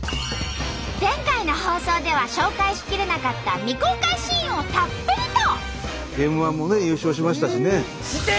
前回の放送では紹介しきれなかった未公開シーンをたっぷりと！